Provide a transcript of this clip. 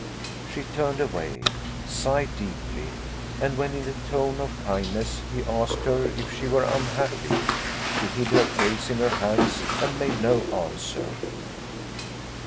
She turned away sighed deeply; and when, in a tone of kindness, he asked her if she were unhappy, she hid her face in her hands, and made no answer.